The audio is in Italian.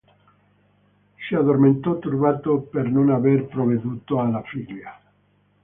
Si addormentò turbato per non aver provveduto alla figlia.